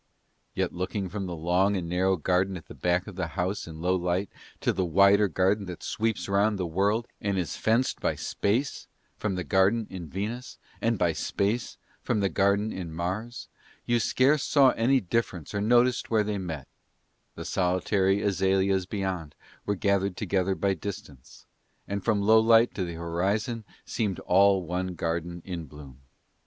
Yet looking from the long and narrow garden at the back of that house in Lowlight to the wider garden that sweeps round the world, and is fenced by Space from the garden in Venus and by Space from the garden in Mars, you scarce saw any difference or noticed where they met: the solitary azaleas beyond were gathered together by distance, and from Lowlight to the horizon seemed all one garden in bloom.